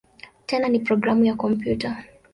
Tena ni programu ya kompyuta.